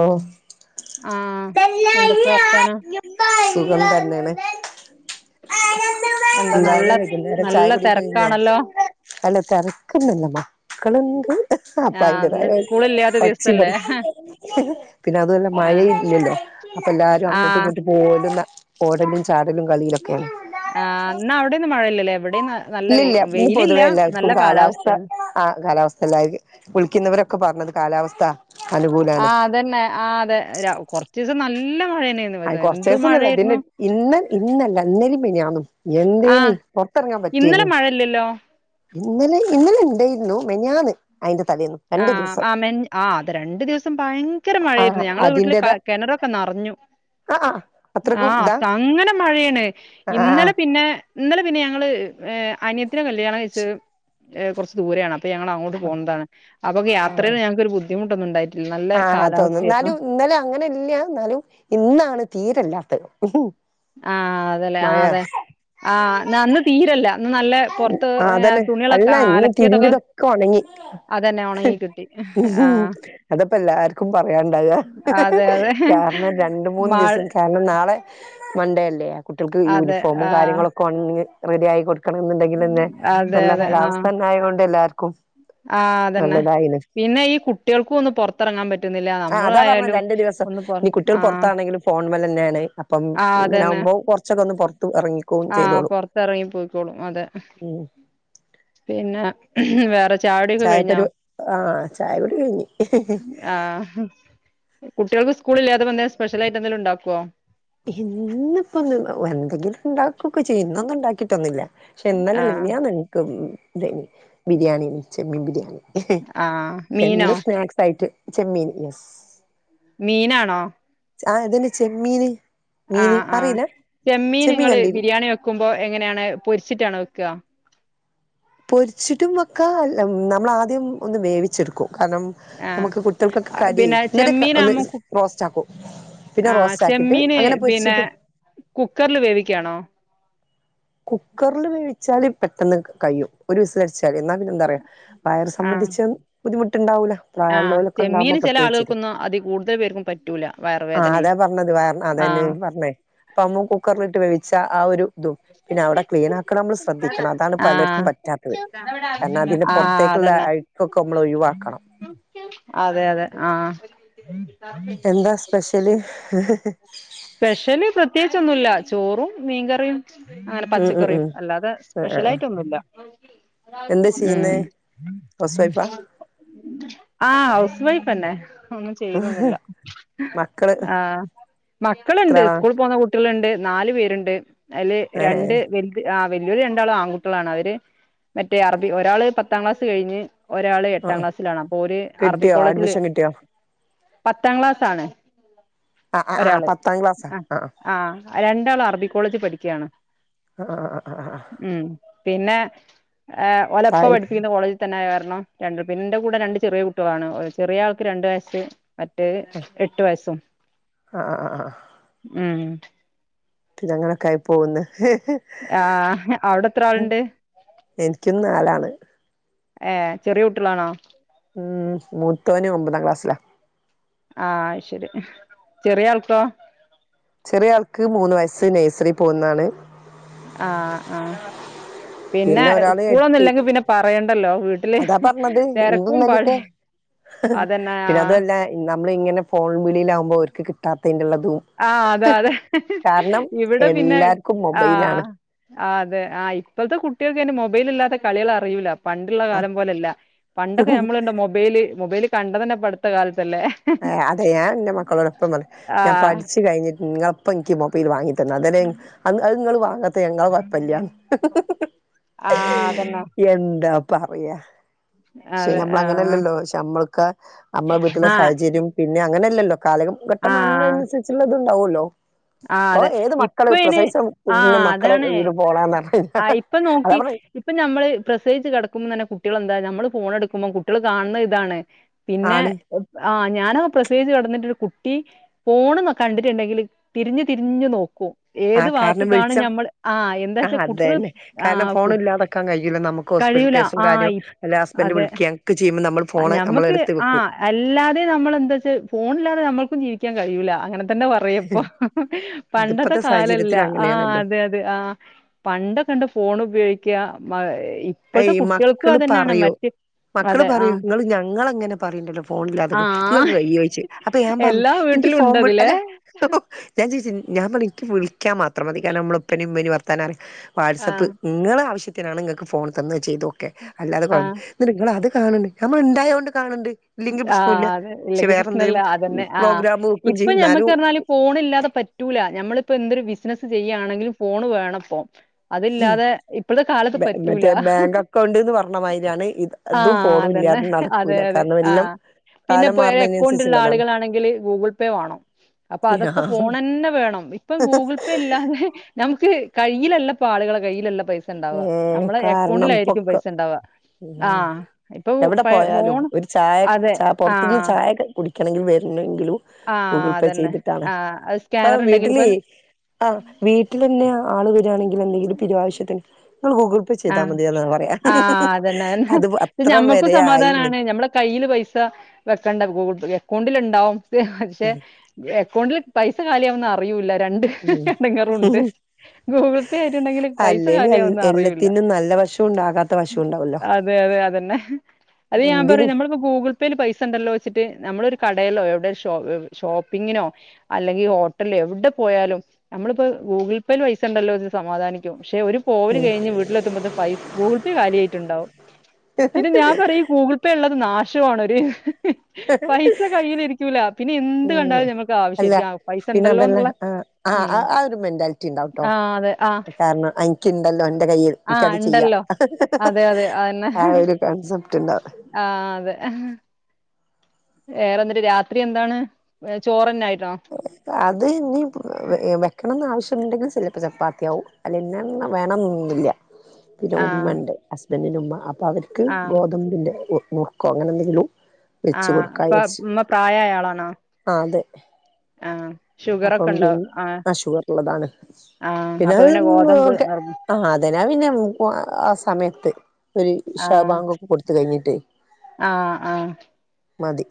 ഓഹ് ആഹ് കല്യാണി എന്തൊക്കെയാ വർത്താനം [unintelligible] സുഖം തന്നെണ് എന്താ എന്താണ് നല്ല വൈകുന്നേരം ചായ നല്ല കുടിക്കെ കഴിഞ്ഞോ തെരക്കാണല്ലോ എല്ല തെരക്കണ്ട്ന്ന് മക്കള്ണ്ട് ആഹ് ത്താപൈൻ്റെ ഇന്ന് സ്കൂളില്ലാത്ത പച്ചി ദിവസല്ലേ പറി പിന്നെ അതൊല്ല മഴ ആഹ് ഇല്ലല്ലോ അപ്പൊ എല്ലാരും അങ്ങോട്ടും ആഹ് ഇങ്ങോട്ടും മോള് താ ഓടലും ചാടലും കബളിലൊക്കെണ് ആഹ് ന്നാവിടെന്ന് മഴയില്ലല്ലേ ഇവിടെന്ന് ഇല്ലില്ല ഇന്ന് പൊതുവെ എല്ലാവർക്കും കാലാവസ്ഥ കാലാവസ്ഥയാണ് ആഹ് കാലാവസ്ഥ ലാഗ് വിളിക്കുന്നവരൊക്കെ പറഞ്ഞത് കാലാവസ്ഥ അനുകൂലാണ് ആഹ് അതന്നെ ആഹ് അതെ കൊറച്ചിസം നല്ല മഴ തന്നെയായിരുന്നു ആയി വരുന്നത്. കൊറച്ച എന്ത് ദിവസന്നുല്ല ഇതിന്റെ മഴയായിരുന്നു ഇന്ന് ഇന്നല്ല ഇന്നേലിം മിഞാന്നും എന്തേനി പുറത്തിറങ്ങാൻ പറ്റിയേനു ഇല്ലല്ലോ ഇന്നലെ ഇന്നലെണ്ടായിരുന്നു മെഞ്ഞാന് അയിന്റെ തലേന്നും രണ്ട് ആഹ് ദിവസം ആഹ് മെ ആഹ് ത് രണ്ടു ദിവസം ഭയങ്കര മഴാരുന്നു ആഹ് ഞങ്ങള വീട്ടില് അതിന്റേത കിണറൊക്കെ നിറഞ്ഞു ആഹ് ആഹ് അത്രക്കും ആഹ് ഇതാ അങ്ങനെ മഴയാണ് ആഹ് ഇന്നലെ ആഹ് പിന്നെ ഇന്നലെ പിന്നെ ഞങ്ങൾ അനയത്തിനെ കല്യാണം ശ് കഴിച്ചെ കുറച്ച് ദൂരെയാണ് അപ്പൊ ഞങ്ങള പോന്നതാണ് അപ്പൊ ആഹ് യാത്രയില് ഞങ്ങക്ക് ഒരു ബുദ്ധിമുട്ടൊന്നു ണ്ടായി ആഹ് തോന്ന് എന്നാലും ഇന്നലും അങ്ങനെല്ല ന്നാലും ഇന്നാണ് തീരല്ലാത്തത് ഉം ആഹ് അതല്ലേ ആ അതെ ആഹ് ഇന്ന് തീരെല്ല ആ തെന്നെ അല്ല ഇന്ന് അലക്കിയതൊക്കെ തിരിമ്പ്യെതൊക്കെ ഒണങ്ങി. അതന്നെ ഉണങ്ങി കിട്ടി ആ അതാപ്പെല്ലാർക്കും പറയാണ്ടാവ അതെ അതെ കാ എന്നാ രണ്ട് മൂന്ന് മഴ ദിവസം കാര്ണം നാളെ മൺണ്ടെ അല്ലെ കുട്ടീൾക്ക് അതെ യൂണിഫോമും ആ കാര്യങ്ങളും- ക്കൊൻണ്ടി റെഡ്യയി കൊട്ക്കണന്ന്ണ്ടെങ്കിലെന്നെ അതെ നല്ല അതെ ആ കലാവസ്ഥനായോണ്ട് എല്ലാര്ക്കും ആ തെന്നെ പിന്നെ ഈ കുട്ട്യെൾക്കൊന്ന് പൊർത്തെറങ്ങാൻ പറ്റുന്നില്ല ആ അതാ പറഞ്ഞ നമ്മളായാലും രണ്ടു ദിവസം ഒന്ന് പൊറ ഇനി കുട്ട്യേള് ആ പൊറ്ത്താണെങ്കിലും ഫോൺമ്മലന്നേണ് അപ്പം ആ ഇങ്ങനെ ആവുമ്പൊ കൊറ്ച്ചൊക്കെ ഒന്ന് പൊർത്ത് എറങ്ങി ആഹ് പൊർത്തെർങ്ങി പോയ്ക്കോളും അതെ ഉം പിന്നെ വേറെ കുടിയൊക്കെ ചായ കഴിഞ്ഞോ പരി ആഹ് ചായുടി കഴിഞ്ഞ്. ആഹ് കുട്ട്യൾക്ക് സ്കൂള് ല്ലാതെപ്പെ എന്തേലും സ്പെഷ്യലായിട്ട് എന്തേലുണ്ടാക്കോ? ഹിന്ന് ഇപ്പന്ന് എന്തെങ്കിലുണ്ടാകൊക്കെ ചെയ്യും ഇന്നൊന്നുണ്ടാക്കിട്ടൊന്നുല്ല. ക്ഷെ ഇന്നലല്ല ആഹ് മിൻഞ്ഞാന്ന് ഇൻക്ക് തെയ്നി ബിരിയാണ്യെനി ചെമ്മീൻ ബിരിയാണി. ആഹ് മീനോ എന്നും സ്നാക്സായിട്ട് ചെമ്മീൻ യെസ് മീനാണോ? ആഹ് അതെന്നെ ചെമ്മീന് മീന് ആഹ് ആഹ് അറിയില്ല ചെമ്മീന് ചെമ്മീൻ ങ്ങള് കണ്ടില്ലേ ബിരിയാണി വെക്കുമ്പോ എങ്ങനേണ് പൊരിച്ചിട്ടാണോ വെക്കാ? പൊരിച്ചിട്ടും വെക്കാ നമ്മളാദ്യം ഒന്ന് വേവിച്ചെടുക്കും കാരണം ആഹ് നമക്ക് കുട്ട്യാൾക്കൊക്കെ കടി പിന്നെ ന്നട്ട് ഒന്ന് ചെമ്മീനാവുമ്പോ കു റോസ്റ്റാക്കും. പിന്നെ ആഹ് റോസ്റ്റാക്കിട്ട് അങ്ങനെ പൊര്ച്ചിട്ട് കുക്കറില് വേവികാണോ? കുക്കറില് വേവിച്ചാല് പെട്ടെന്ന് കയ്യും. ഒരു വിസിലട്ചാതി ന്നാ പിന്നെ എന്താറ്യോ വയർ ആഹ് സംബന്ധിച്ച് ബുദ്ധിമുട്ട്ണ്ടാവൂ. ആഹ് പ്രായള്ളോലൊക്ക ഇണ്ടാവുമ്പൊ ചെമ്മീന് ചില പ്രത്യേകിച്ച് ആളുകൾക്കൊന്നും അതി കൂടുതൽ പേർക്കും പറ്റൂല ആഹ് അതാ വയറുവേദനയും പർഞ്ഞത് വ അതെന്നെ ആഹ് പർഞ്ഞേ പ്പ ഒന്ന് കുക്കറിലിട്ട് വേവിച്ച ആ ഒര് തും പിന്നെ അവടെ ക്ലീനാക്കണം നമ്മള് ശ്രദ്ധിക്കണം അതാണ് പലർക്കും ആഹ് പറ്റാത്തത് കാരണം അതിന്റെ ആഹ് പൊർത്തേക്കുള്ള അതന്നെ അഴ്ക്കൊക്കെ അമ്മള് ഒഴിവാക്കണം. അതെ യതെ ആഹ് എന്താ സ്പെഷ്യല്? സ്പെഷ്യല് പ്രത്യേകിചൊന്നുല്ല ചോറും മീൻകറിം. അങ്ങനെ ഉം ഉം പച്ചക്കറിം ഉം അല്ലാതെ ആഹ് ആഹ് സ്പെഷ്യലായിട്ടൊന്നുല്ല. എന്താ ചെയ്യുന്നേ ഉം ഹൗസ് വൈഫാ ആഹ് ഹൗസ് വൈഫെന്നെ. ഒന്നും ചെയ്യുന്നൊന്നുല്ല മക്കള് ആഹ് മക്കള്ണ്ട് എത്രയാളാ സ്കൂള് പോക്ന്ന കുട്ട്യള്ണ്ട് നാല് പേര്ണ്ട് അയ്ല് രണ്ട് ഏഹ് വെ ആഹ് വെല്യോല് രണ്ടാള് ആൺകുട്ട്യളാണ് അവര് മറ്റേ അറബി ഒരാള് പത്താം ക്ലാസ് കഴിഞ്ഞ് ഒരാള് എട്ടാം ക്ലാസ്സിലാണ് അപ്പോ ഓര് അറബി കിട്ടിയോ കോളേജില് അഡ്മിഷൻ കിട്ടിയോ പത്താം ക്ലാസാണ്. ആഹ് ആഹ് ആഹ് ഒരാള് പത്താം ക്ലാസ്സാ ആഹ് ആഹ് രണ്ടാള് അറബി കോളേജി പഠിക്ക്യാണ്. ആഹ് അഹ് അഹ് ആഹ് ആഹ് ഉം പിന്നെ ഏഹ് ഓലപ്പ വ താഴ് [unintelligible] ൻ്റെ കോളേജി തന്നെ ആയ കാരണം രണ്ട് പിന്നെൻ്റെ കൂടെ രണ്ട് ചെറ്യേ കുട്ട്യളാണ് ചെറേ ആൾക്ക് രണ്ട് വയസ്സ്. മറ്റേത് എട്ട് വയസ്സും. ആഹ് ആഹ് ആഹ് ആഹ് ഉം [unintelligible] ആയി പോകുന്ന്. ആഹ് അവടെത്രാള്ണ്ട്? എനിക്കും നാലാണ് ഏഹ് ചെറ്യേ കുട്ട്യളാണോ? ഉം മൂത്തോന് ഒമ്പതാം ക്ലാസ്സിലാ. ആഹ് അയ് ശെരി ചെറിയൾക്കോ? ചെറിയാൾക്ക് മൂന്നു വയസ്സ് നേഴ്സറി പോവുന്നാണ്. ആഹ് ആഹ് പിന്നെ ഒരാള് എട്ട് സ്കൂളൊന്നുല്ലെങ്കി പിന്നെ പറയണ്ടല്ലോ വീട്ടില് അതാ പറഞ്ഞത് ഇന്നും തെരക്കും ഇന്നലെയൊക്കെ [unintelligible] അതെന്ന യാ നമ്മളിങ്ങനെ ഫോൺ വിളിലാമ്പോ ഓർക്ക് കിട്ടാത്തെൻ്റെള്ളതും. ആഹ് അത അതെ ഇവിടെ പിന്നെ എല്ലാർക്കും മൊബൈലാണ് ആഹ്. ആഹ് അതെ ആഹ് ഇപ്പത്തെ കുട്ട്യൾക്കന്നെ മൊബൈലല്ലാത്ത കളിളൾ അറിയൂല. പണ്ട്‌ള്ള കാലം പോലെല്ല പണ്ടൊക്കെ ഞമ്മളുണ്ടൊ മൊബൈല് മൊബൈല് കണ്ടതന്നെ ഇപ്പപടുത്തകാലത്തല്ലേ. ആഹ് അതെ ഞാൻന്റെ മക്കളോടൊപ്പം പറിം ആ ഞാൻ പഠിച്ച് കഴിഞ്ഞിട്ട് ഇങ്ങ ഇപ്പ ഇക്കി മൊബൈൽ വാങ്ങിതന്ന് അതെരേ അന്ന് അഹ് ഇങ്ങള് വാങ്ങത്ത ഞങ്ങള കൊഴപ്പല്ല്യ. ആഹ് അതന്നെ. എന്താ പറിയാ ക്ഷെ അതെ ഞമ്മള ആ അങ്ങനെല്ലല്ലോ ക്ഷെ ഞമ്മൾക്കാ ഞമ്മളെ വീട്ടിലെ ആ സാഹചര്യം പിന്നെ അങ്ങനെല്ലല്ലോ കാലകം. ഘട്ട ആ മന്ന്നുസരിച്ചുള്ളത്ണ്ടാവല്ലോ. ആ പ്പൊ അതെ. ഏത് ഇപ്പ മക്കള് അയിന് പ്രസവിച്ച ആ കുഞ്ഞു മക്കളെ അതാണ് [unintelligible] ആഹ് അതാ ഇപ്പൊനോക്കി. പറഞ്ഞെ ഇപ്പ ഞമ്മള് പ്രസവിച്ച കെടക്കുമ്പോ തന്നെ കുട്ട്യളെന്താ ഞമ്മള് ഫോണെടുക്കുമ്പോ കുട്ട്യൾ കാണ് ണേ ഇതാണ്. പിന്നെ ആണ് ആഹ് ഞാനോ പ്രസവിച്ച് കെടന്നിട്ട് കുട്ടി. ഫോണ്ങ്ങ് കണ്ടിട്ടിണ്ടെങ്കിൽ തിരിഞ്ഞ് തിരിഞ്ഞ് നോക്കും. ആ ഏത് കാരണം ഭാത്ത്കാണ് വെളിച്ചം ഞമ്മൾ ആഹ് ആ എന്താച്ച കു അതന്നെ കാരണം ഫോണില്ലാതെക്കാൻ കയ്യൂല നമുക്ക് ഹോസ്പിറ്റൽ കഴിയൂല കേസും കാര്യോ. ആഹ് അല്ല അതെ ഹസ്ബന്റ് വിളിക്കെ അക്ക് ചെയ്യുമ്പോ നമ്മൾ ഫോണ് നമ്മളെടുത്ത് വെ ആഹ് അല്ലാതെ നമ്മളെന്താച്ചാ ഫോണില്ലാതെ നമ്മൾക്കും ജീവിക്കാൻ കയൂല അങ്ങനെ. എന്താ പറയാ പ്പൊ പണ്ടത്തെ അതിപ്പത്തെ കാലല്ല സാഹചര്യത്തിൽ ആഹ് അങ്ങനെയാണല്ലോ അതെ അതെ ആഹ്. പണ്ടൊക്കണ്ട് ഫോൺ ഉപയോഗിക്ക്യ മ്മാ ഇപ്പഴത്തെ അയ് കുട്ട്യൾക്കും മക്കള് അതന്നെയാണ് പറയോ മറ്റേ മക്കള് പറയും ഇങ്ങള് ഞങ്ങളെ ഇങ്ങനെ പറിണ്ടല്ലോ ആ ഫോണില്ലാതെക്ക് ഇങ്ങൾക്ക് കയ്യോ യിച്ച്. അപ്പ ഞാൻ പറഞ്ഞ് എല്ലാ ഇൻക്കി വീട്ടിലും ഫോം ഉണ്ടതിലേ. അല്ല. പ്പ ഞാ ചോയിച്ച് ഞാൻ പറിം ഇക്കി വിളിക്കാൻ മാത്രം മതി കാരണം മ്മളെ ഉപ്പനിം ഉമ്മനിം വർത്താന അറി ആ, വാട്സപ്പ് ഇങ്ങളെ ആവശ്യത്തിനാണ് ഇങ്ങക്ക് ഫോൺ തന്നെ ചെയ്തോക്ക് അല്ലാതെ കൊ ആ, നിട്ട് ങ്ങളത് കാണ് ണ്ട് നമ്മള് ഇണ്ടായൊണ്ട് കാണ് ണ്ട്‌. ആഹ് അതെ ഇല്ലെങ്കിൽ പ്രശ്നല്ല അതന്നെ ആഹ് പ്രോഗ്രാം വെക്കും ഇപ്പൊ ചെയ്യും ഞമ്മക്ക് ഇന്നാലും പർഞ്ഞാല് ഫോണില്ലാതെ പറ്റ് റ്റൂല ഞമ്മളിപ്പ എന്തൊരു ബിസിനസ്സ് ചെയ്യാണെങ്കിലും ഫോണ് വേണപ്പോ. അതില്ലാതെ ഇപ്പളത്തെ കാലത്ത് ബേ പറ്റൂല. മറ്റേ ബാങ്ക് അക്കൗണ്ട്ന്ന് പറഞ്ഞ മാതിരിയാണ് ഇതും ആഹ് ഫോണും അതന്നെ ഇല്ലാതെ അതെ നടക്കൂല അതെ. കാരണം എല്ലാം ആഹ് കാലം പിന്നെപ്പോ ഏഹ് അക്കൗണ്ട്ള്ള മാറുന്നതിനനുസരിച്ചുള്ളതാണ് ആളുകളാണെങ്കിൽ ഗൂഗിൾ പേ വാണം. അപ്പൊ അതൊക്കെ ഫോണന്നെ വേണം ഇപ്പം ഗൂഗിൾ പേ ഇല്ലാതെ. ഞമക്ക് കയ്യിലല്ലപ്പം ആളുകളെ കയ്യിലല്ല പൈസ ഇണ്ടാവാ ഉം ഞമ്മളെ കാരണം എക്കൗണ്ടിലായിരിക്കും പൊക്കം പൈസണ്ടാവ. ഉം ആഹ് ഇപ്പൊ എവിടെ പാ പോയാലും ഫോൺ അതെ ആഹ്. കുടിക്കണെങ്കിലും വര്ണെങ്കിലും ഗൂഗിൾ പേ അതന്നെ. ചെയ്തിട്ടാണ്. ആ. അത് സ്കാനർ പ്പം ഉണ്ടെങ്കിൽ വീട്ടില് ഇപ്പം ആഹ് വീട്ടിലന്നെ ആള് വരാണെങ്കിൽ എന്തെങ്കിലും പിരുവാവശ്യത്തിന്. നിങ്ങൾ ഗൂഗിൾ പേ ചെയ്താ ആഹ് മതിയെന്നാ പറയാ ആഹ് അതന്നെ അത് അഹന്നെ അത്ര ഞമ്മക്കും വരെ ആയിണ് സമാധാനാണ് ഞമ്മളെ കയ്യിൽ പൈ സ വെക്കണ്ട ഗൂഗിൾ പേ എക്കൗണ്ടിൽ ഇണ്ടാവും പക്ഷെ എക്കൗണ്ടിൽ പൈ സ കാലിയാവുന്നഅറിയൂല രണ്ട് ഉം എടങ്ങേറുണ്ട്. ഗൂഗിൾ പേ ആയിട്ടുണ്ടെങ്കിൽ പൈസ അല്ലേലും കാലിയാവുന്ന അറിയൂല്ല എല്ലാത്തിനും നല്ല വശം ഉണ്ട് ആകാത്ത ഉം വശം ഉണ്ടാവല്ലോ അതെ അതെ അതന്നെ അത് ഞാൻ പറിം എന്തിനും നമ്മള്പ്പോ ഗൂഗ്ൾ പ്പേൽ പൈസണ്ടല്ലോ വെച്ചിട്ട് നമ്മളൊരു കടേലോ എവിടെ ഷോ ഷോപ്പിങ്ങിനോ അല്ലെങ്കി ഹോട്ടല്ല് എവിടെ പോയാലും. ഞമ്മൾപ്പ് ഗൂഗിൾ പേൽ പൈസ ണ്ടല്ലോ വെച്ച് സമാധാനിക്കും പക്ഷെ ഒരു പോവല് കഴിഞ്ഞ് വീട്ടിലെത്തുമ്പത്തിന് പൈസ ഗൂഗിൾ പേ കാലിയായിട്ട്ണ്ടാകും. പിന്നെ ഞാൻ പറയും ഗൂഗിൾ പ്പേ ഇള്ളത് നാഷോണ് ഒരു പൈസ കയ്യ്ലിരിക്കൂല. ഹ് അല്ല പൈസ പിന്നെ ഉണ്ടല്ലോ അതെല്ല എന്നുള്ള ആഹ് ഉം. ആഹ് ആഹ് ഒരു മെന്റാ റ്റി ഇണ്ടാവ്ട്ടോ ആ അതെ. ആ കാരണം അഹ് ഇൻക്കിണ്ടല്ലോ അന്റെ കയ്യിൽ ആ എനിക്കത് ചെയ്യാ. ഉണ്ടല്ലോ. അതെ, അതെ ആഹ് ഒരു കൺസെപ്റ്റ് ണ്ടാ ആഹ് അതെ ആഹ് വെറെന്തര് രാത്രി എന്താണ് ചോറന്നായിന്നോ അത് ഇനി വെക്കണന്ന് ആവശ്യണ്ടെങ്കിൽ ചെലപ്പൊ ചപ്പാത്തിയാവും ഇന്നതന്നെ വേണമെന്നില്ല പിന്നെ ആ ഉമ്മണ്ട് ഹസ്ബന്റിന്റെ ഉമ്മ അപ്പൊ അവര്ക്ക് ആ ഗോതമ്പിന്റെ ഉപ്മ കോ, അങ്ങനെന്തെകിലും ആ വെച്ച് ഇപ്പ കൊടുക്കാരിച്ച് ഉമ്മ പ്രായായ ആളാണോ? ആഹ് അതെ ആ ഷുഗറൊക്കെ അപ്പം ഉണ്ടോ? പിൻ ആ അഷുഗറുള്ളതാണ് ആ പിന്നെ അപ്പൊ അത് ഗോതമ്പ് നിന്നോട്ടെ നിർബ ആഹ് അതിനാ പിന്നപ്പോ ആ സമയത്ത് ഒര് ഇശ ബാങ്കൊക്കെ കൊടുത്ത് കഴിഞ്ഞിട്ട് ആഹ് ആഹ് മതി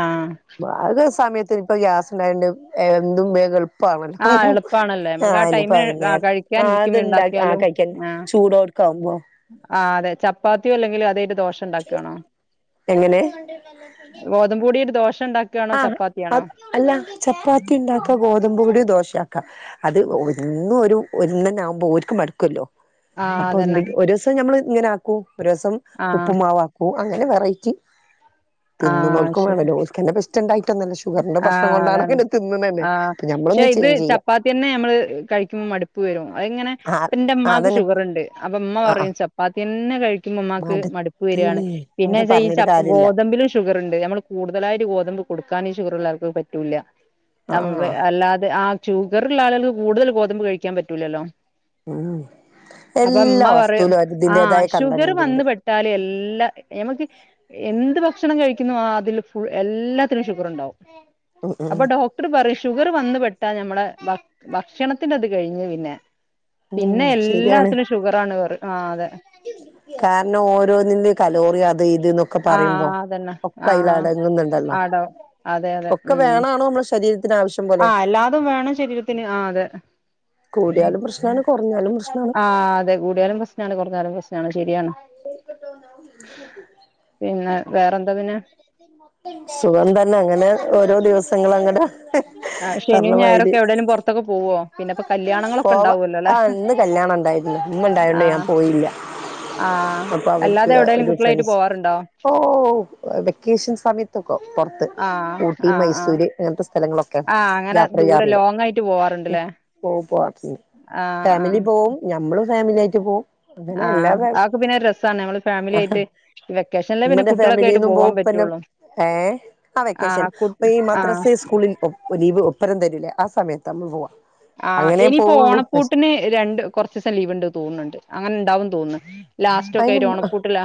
ആഹ് അത് സമയത്തിനിപ്പൊ ഗ്യാസുണ്ടായൊണ്ട് എന്തും വേഗും എളുപ്പ പാണ് ആ എളുപ്പാണല്ലേ. നമ്മക്ക് ആ ടൈമിന് ആഹ് അതെന്നെ കഴിക്കാനിരിക്കുമ്പോ അത്ണ്ടാക്ക ആ കഴിക്കാൻ ചുടോ കമ്മോ ആഹ് അതെ ചപ്പാത്തിയൊ അല്ലെങ്കില് അതെറ്റ് ദോശണ്ടാക്കണോ എങ്ങനെ ഗോതബ് പൊടിറ്റ് ദോശണ്ട ആഹ് അത് അല്ല ചപ്പാത്തിണ്ടാക്ക്‌ ഗോതമ്പ് പൊടി ദോശയാക്കാം അത് ഒന്നും ഒരു ഒന്നിനാവുമ്പോ ഒരു ക്ക് ‌മടുക്കൊല്ലോ ആ അപ്പൊ അതന്നെ എന്തെകിലും ഒരു ദിവസം ഞമ്മള് ഇങ്ങനാക്കും ഒരു ദിവസം ആ ഉപ്പ്മാവാക്കും ഒ അങ്ങനെ വെറൈറ്റി തിന്നുന്നോൽക്ക്‌ വേണോല്ലോ ഓല്ക്കന്നെ ഇപ്പോ ഇഷ്ടണ്ടായിട്ട ആഹ് അതാണ് ആഹ് അപ്പൊ ക്ഷെ ഞമ്മളൊന്ന് ഇത് ചേഞ്ച് ചെയ്യാ ചപ്പാത്തിന്നെ നമ്മള് കഴിക്കുബെ മട്പ്പ്‌ പ്പവരും അയിങ്ങനെ ആഹ് ആഹ് എന്റമ്മാക്ക് അതന്നെ ഷുഗറുണ്ട് അപ്പൊ ഉമ്മ ആഹ് പറയും ആഹ് ചപ്പാത്തിയന്നെ കഴി കു, ഇമ്മക്ക് മടുപ്പ് വരിയാണ് മടുത്ത്ണ് അവരെ പിന്നെച്ച ഈ പറഞ്ഞിട്ട് ചപ്പ് കാര്യല്ല ഗോതമ്പിലിഷ് ഷുഗറുണ്ട് നമ്മള് കൂടുതലായിട്ട് ഗോതമ്പ് കൊടുക്കാന് ഷുഗറുള്ളാൾക്ക് പറ്റൂല്ല ആഹ് ആവേ ആഹ് അല്ലാതെ ആഹ് ചൂഗറുള്ള ആളുകൾക്ക് കൂടുതൽ ഗോതമ്പ് കഴിക്കാപ്പറ്റൂലല്ലോ ഉം അപ്പൊ എല്ലാ ഇമ്മ പറയും വസ്തുവിലും ആഹ് അതിന്റേതായ ഷുഗറ് കണ്ടന്റ് വന്ന് ഉണ്ട് പെട്ട് ഇട്ടാല് എല്ലാം നമ്മക്ക് എന്ത് ഭക്ഷണം കഴിക്കുന്നു അതിൽ ഫുൾ എല്ല അത്രിം ഷുഗറുണ്ടാവും ഉം ഉം അപ്പോ ഡോക് ക്ടർ പറയും ഷുഗർ വന്ന് പെട്ടാ നമ്മളെ ഭക്ഷ് ഭക്ഷണത്തിന്റെത് കഴിഞ്ഞ് പിന്നെ ഉം പിന്നെ ശരിയാണ് എല്ലാത്തിലും ഷുഗറാണ് പറയും ആഹ് അതെ കാരണം ഓരോന്നിന്റെ കലോറി അത് ഇതുനോക് ക്കെ ആ പറയുമ്പോ അതന്നെ ആ ഒക്കയിലടങ്ങുന്നുണ്ടല്ലോ ആടോ അതെ ഒക്കെ വേണാ നമ്മുടെ ശരീരത്തി ത്തിനാവശ്യം ആഹ് എല്ലാതും വേണം ശരീരത്തിന് ആഹ് അതെ എന്നാലും പ്രശ്നാണ് ആഹ് അതെ കൂടിയാലും പ്രശ്നാണ് കുറഞ്ഞാലും പ്രശ്നാണ് ശരിയാണ് പേർക്കട്ടോ ഞാൻ [inaudible] പിന്നെ വേറെന്താ പിന്നെ സുഖം തന്നെ അങ്ങനെ ഓരോ ദിവസങ്ങളങ്ങനെ ആഹ് ശനിയും ഞായറൊക്കെ എവിടെലും പുറത്താക്കെ പോവോ പഇന്നപ്പോ കല്യാണങ്ങളൊക്കെ പോവാ ഇണ്ടാവൊലോലെ ആഹ് ഇന്ന് കല്യാണം ഉണ്ടായിരുന്നു ഉമ്മ ഉണ്ടായോണ്ട് ഞാൻ ആഹ് പോയില്ല ആഹ് അല്ലാതെ എവിടേലും കുട്ട്യാളായിട്ട് പോവാറുണ്ടോ ഓഹ് വെക്കേഷൻ സമയത്തൊക്കൊ പുറത്ത് ആഹ് ഊട്ടി ആഹ് ആഹ് മൈസൂര് ഇങ്ങനത്തെ സ്ഥ ആഹ് അങ്ങനെ ദൂരെ ലോങ്ങായിട്ട് ഉം പോവാറുണ്ടല്ലേ പോ പോയി ഫാമിലി പോവും നമ്മളും ഫാമിലിയായിറ്റ് പോവും അങ്ങനെ എല്ലാ ആഹ് ഫാ അയക്കപ്പിന്നെ രസാണ് നമ്മള് ഫാമിലിയായിട്ട് വെക്കേഷനില്ലേ പിന്നെ കുട്ടികളക്കെയായിട്ട് പോവാപ്പറ്റുള്ളു ഏഹ് ആ വെക്കേഷൻ ഇപ്പോ ഈ ആഹ് മദ്രസ സ്കൂളിൽക്കും ഒ ലീവ് ഒപ്പരം തരൂലേ ആ സമയത്താ നമ്മൾ പോവാ ആഹ് അങ്ങനെ ഇനിയിപ്പോ പോവുള്ളൂ ഓണപ്പൂട്ടിന് രണ്ട് കൊറച്ചീസം ലീവ് ഇണ്ട് തോന്നുന്നുണ്ട് അങ്ങനെ ഇണ്ടാവന്ന് തോന്നുന്നു ലാസ്റ്റ് ഒക്കെ അതിന് ആയിട്ട് ഓണപ്പൂട്ടില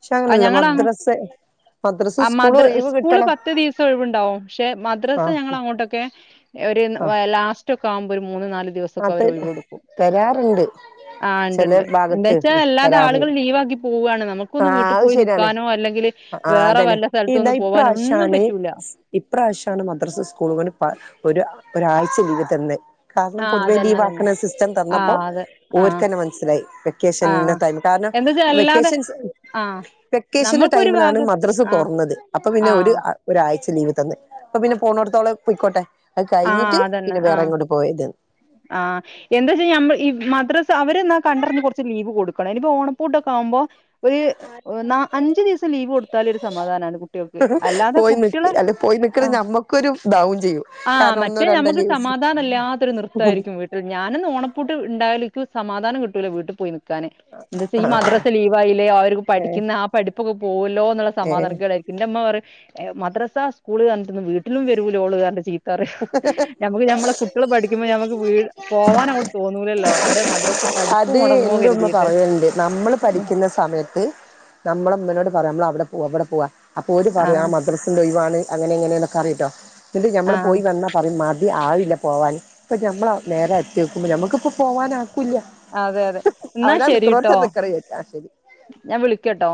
പക്ഷെ അങ്ങനെയല്ല മദ്രസ്സ ആഹ് മദ്ര ഉ സ്കൂള് പത്ത് ദിവസം ഒഴിവുണ്ടാവും പക്ഷെ ആ മദ്രസ്സ ഞങ്ങളങ്ങോട്ടൊക്കെ ഒര് ആ ലാസ്റ്റൊക്കെ ആവുമ്പോ ഒരു മൂന്ന് നാല് ആ ദിവസൊക്കെ അവര് ഒഴിവ് കൊടുക്കും തരാറുണ്ട് ആഹ് ഇണ്ട് ചെല ഇണ്ട് എന്താ ഭാഗത്ത് വെച്ചാ അല്ലാതെ ആളുകൾ തരാറുണ്ട് ലീവ് ആക്കി പോവുകയാണ് നമുക്കൊന്ന് ആഹ് വീട്ടിൽ അത് പോയി ശരിയാണ് നിക്കാനോ അല്ലെങ്കില് ആഹ് വേറെ അതന്നെ വല്ല ഇതാ സ്ഥലത്തൊന്ന് പോവാനോ ഒന്നും ഇപ്രാവശ്യാണ് പറ്റൂല ഇപ്രാവശ്യമാണ് മദ്രസ് സ്കൂളുംകൂടി ഒരു ഒരാഴ്ച ലീവ് തന്നെ ആഹ് പൊതുവെ അതന്നെ അതന്നെ ലീവാക്കണ സിസ്റ്റം തന്നപ്പോ ആഹ് അതെ ആഹ് ഓര്ക്കന്നെ മനസ്സിലായി വെക്കേഷന്ന ആഹ് ത കാരണം എന്താച്ചാ അല്ലാതെ വെക്കേഷൻസ് ആഹ് വെക്കേഷന്റെ നമ്മൾക്കൊരു ടൈമിലാണ് ഭാഗത്ത് മദ്രസ് ആഹ് തൊറന്നത് അപ്പൊ പിന്നെ ഒരു ആഹ് ഒരാഴ്ച ലീവ് തന്ന് അപ്പൊ പിന്നെ പോണട്ത്തോളം പൊയ്ക്കോട്ടെ അത് ആഹ് കഴിഞ്ഞിട്ട് അതന്നെ പിന്നെ ആഹ് വേറെങ്ങെടും പോയത് ആഹ് എന്താച്ചാ നമ്മൾ ഈ മദ്ര അവര് എന്നാ കണ്ടറിഞ്ഞു കൊറച്ച് ലീവ് കൊടുക്കണം ഇനി ഓണപ്പൂട്ടൊക്കെ ആവുമ്പൊ ഒരു നാ അഞ്ച് ദി ലീവ് കൊടുത്താലേ ഒരു സമാധാനാണ് കുട്ടികൾക്ക് അല്ലാതെ പോയി നിക്ക് കുട്ടികളെ അല്ല പോയി നിക്കണ ആ ഞമ്മക്കൊരു ഇതാവും ചെയ്യും ആ കാരണം മറ്റെ ഒന്നോ [unintelligible] രണ്ടോ നമുക്ക് ലീവ്സ് സമാധാനംല്ലാത്തൊരു നിർത്താരിക്കും വീട്ടിൽ ഞാനൊന്ന് ഓണപ്പൂട്ട് ഇണ്ടായാലെക്ക് സമാധാനം കിട്ടൂല വീട്ടി പോയി നിൽക്കാന് എന്താ വച്ചാ ഈ മദ്രാസ ലീവായില്ലേ അവര്ക്ക് ഏഹ് പഠിക്കുന്ന ആ പഠിപ്പൊക്കെ പോകല്ലോ എന്നുള്ള ഏഹ് സമാധാനകേടായിരിക്കും എന്റെമ്മ പറയും മദ്രസാ സ്കൂള്ന്ന് പറഞ്ഞിട്ടന്നും വീട്ടിലും വരൂല ഓള്ന്ന് പറഞ്ഞിട്ട് ചീ പറയും നമുക്ക് ഞമ്മളെ കുട്ടികള് പഠിക്കുമ്പോൾ ഞമ്മക്ക് ഞമ്മക്ക് വീ പോവാനങ്ങോട്ട് തോന്നൂലല്ലോ അവര മദ്രസ പഠിപ്പ് മൊടങ്ങുവോന്ന് കരുതിയിട്ട് നമ്മൾ പഠിക്കുന്ന സമയത്ത് നമ്മളമ്മനോട് പറയാ നമ്മളവിടെ പോവ ഇവിടെ പോവാ അപ്പൊ ഓര് പറയും ആ ആഹ് മദ്രസ ഇന്നൊഴിവാണ് അങ്ങനെ ഇങ്ങനെയൊന്നൊക്കെ അറിയിട്ടോ ഇല്ലെങ്കി ഞമ്മള് ആഹ് എന്നാ പറയും മതി ആവില്ല പോവാന് ഇപ്പൊ ഞമ്മള നേരെ എത്തി നോക്കുമ്പോ ഞമ്മുക്കിപ്പോ പോവാനാക്കൂല്ല അതെ അതെ എന്നാ അവരാ ശരിട്ടോ നിക്കണോടത്താ നിക്കണെ വിചാരിക്കും ആ ശരി ഞാൻ വിളിക്കട്ടോ